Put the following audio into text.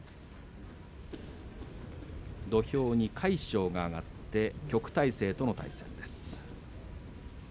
土俵に魁勝が上がって旭大星との対戦です。